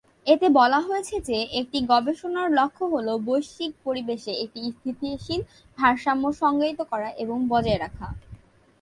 এতে বলা হয়েছে যে একটি গবেষণার লক্ষ্য হল বৈশ্বিক পরিবেশে একটি স্থিতিশীল ভারসাম্য সংজ্ঞায়িত করা এবং বজায় রাখা।